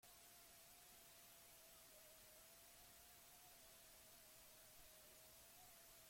Barruko mamiari dagokionez, izenburuak argi eta garbi uzten ditu asmoak.